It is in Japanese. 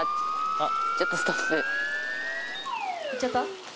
行っちゃった？